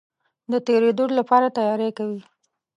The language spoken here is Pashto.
د تېرېدلو لپاره تیاری کوي.